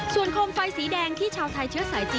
ส่วนโคมไฟสีแดงที่ชาวไทยเชื้อสายจีน